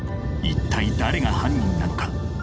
一体誰が犯人なのか。